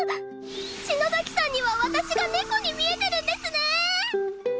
篠崎さんには私が猫に見えてるんですね！